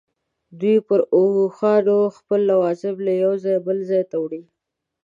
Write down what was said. دوی پر اوښانو خپل لوازم له یوه ځایه بل ته نه وړي.